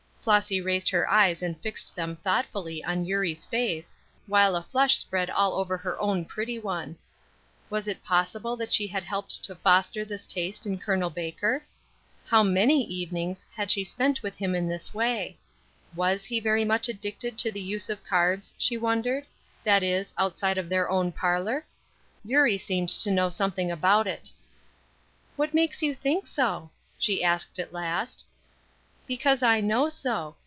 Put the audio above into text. Flossy raised her eyes and fixed them thoughtfully on Eurie's face, while a flush spread all over her own pretty one. Was it possible that she had helped to foster this taste in Col. Baker. How many evenings she had spent with him in this way. Was he very much addicted to the use of cards, she wondered; that is, outside of their own parlor? Eurie seemed to know something about it. "What makes you think so?" she asked, at last. "Because I know so.